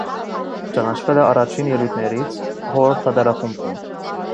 Ճանաչվել է առաջին ելույթներից (հոր թատերախմբում)։